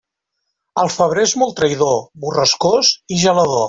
El febrer és molt traïdor, borrascós i gelador.